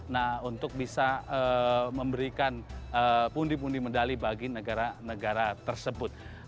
nah untuk bisa memberikan pundi pundi medali bagi negara negara tersebut